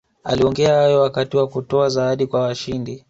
aliongea hayo wakati wa kutoa zawadi kwa washindi